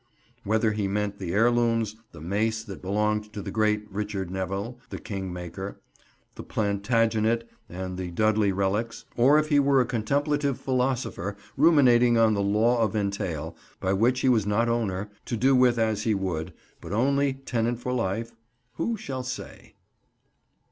Whether he meant the heirlooms, the mace that belonged to the great Richard Neville "the Kingmaker," the Plantagenet and the Dudley relics, or if he were a contemplative philosopher ruminating on the Law of Entail, by which he was not owner, to do with as he would, but only tenant for life, who shall say?